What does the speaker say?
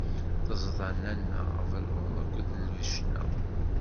Teẓda nanna abelluḍ akked d lbecna.